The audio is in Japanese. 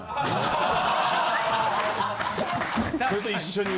・それと一緒に！